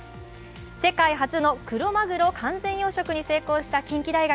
世界初のクロマグロ完全養殖に成功した近畿大学。